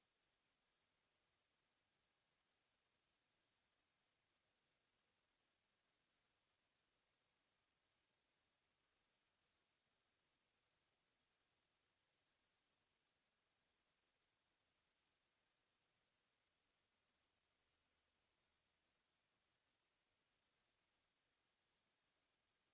โปรดติดตามต่อไป